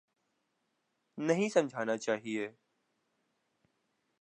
نہیں سمجھانا چاہیے۔